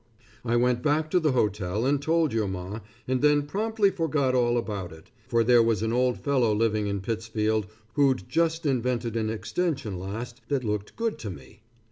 I went back to the hotel and told your Ma, and then promptly forgot all about it, for there was an old fellow living in Pittsfield who'd just invented an extension last that looked good to me.